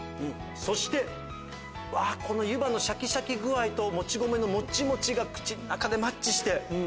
そしてゆばのシャキシャキ具合ともち米のもっちもちが口の中でマッチして。